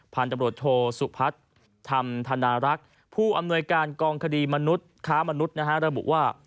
พันธบรวจโทสุพัฒน์ธรรมธนารักษ์ผู้อำนวยการกองคดีมนุษย์ค้ามนุษย์ระบุว่า